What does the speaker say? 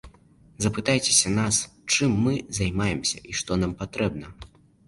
Запытайцеся нас, чым мы займаемся і што нам патрэбна.